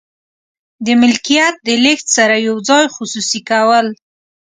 د ملکیت د لیږد سره یو ځای خصوصي کول.